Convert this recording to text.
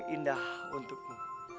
lebih indah untukmu